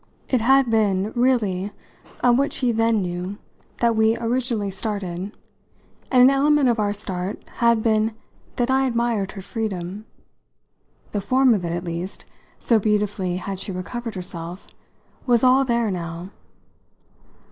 It had been really on what she then knew that we originally started, and an element of our start had been that I admired her freedom. The form of it, at least so beautifully had she recovered herself was all there now.